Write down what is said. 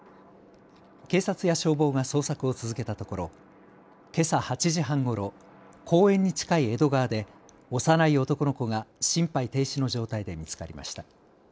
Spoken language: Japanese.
警察や消防が捜索を続けたところけさ８時半ごろ、公園に近い江戸川で幼い男の子が心肺停止の状態で見つかりました。